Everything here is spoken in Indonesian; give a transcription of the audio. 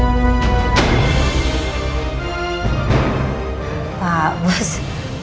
jadi ini adalah pertanyaan yang harus dikira